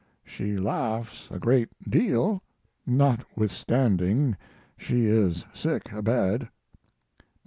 She laughs a great deal, notwithstanding she is sick abed.